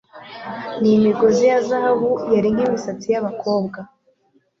Nimigozi ya zahabu yari nkimisatsi yabakobwa